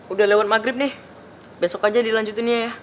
udah lewat maghrib nih besok aja dilanjutinnya ya